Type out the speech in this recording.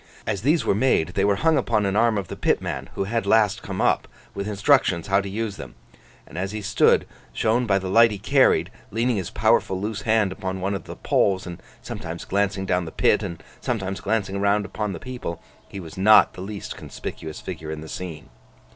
As these were made, they were hung upon an arm of the pitman who had last come up, with instructions how to use them: and as he stood, shown by the light he carried, leaning his powerful loose hand upon one of the poles, and sometimes glancing down the pit, and sometimes glancing round upon the people, he was not the least conspicuous figure in the scene.